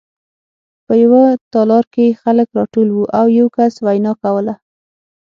په یوه تالار کې خلک راټول وو او یو کس وینا کوله